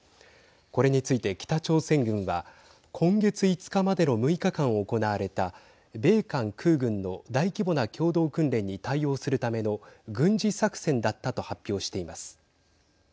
これについて、北朝鮮軍は今月５日までの６日間行われた米韓空軍の大規模な共同訓練に対応するための軍事作戦だったと発表しています。